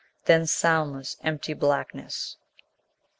Then soundless, empty blackness.